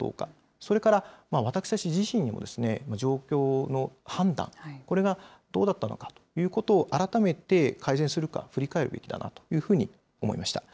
それから私たち自身も状況の判断、これがどうだったのかということを改めて改善するか、振り返るべきだなというふうに思いました。